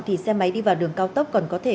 thì xe máy đi vào đường cao tốc còn có thể